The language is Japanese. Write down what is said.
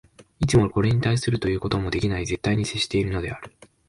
いつもこれに対するということもできない絶対に接しているのである。